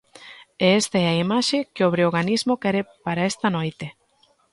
E esta é a imaxe que o breoganismo quere para esta noite.